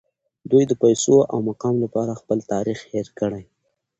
دوی د پیسو او مقام لپاره خپل تاریخ هیر کړی